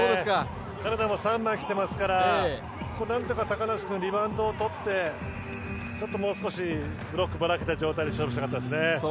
カナダ３枚来ていますから何とか高梨君リバウンドをとってちょっともう少しブロックばらけた状態で勝負したかったですね。